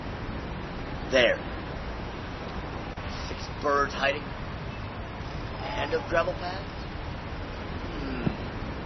There are six bird hides and of gravel paths.